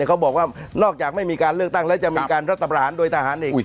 เขาบอกว่านอกจากไม่มีการเลือกตั้งแล้วจะมีการรัฐประหารโดยทหารเอง